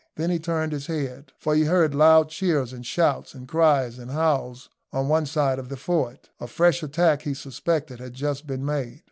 Then he turned his head, for he heard loud cheers and shouts, and cries and howls, on one side of the fort. A fresh attack, he suspected, had just been made.